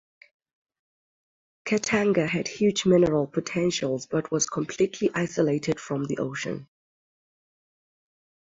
Katanga had huge mineral potential but was completely isolated from the ocean.